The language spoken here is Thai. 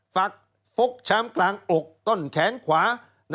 ฝักฟกช้ำกลางอกต้นแขนขวา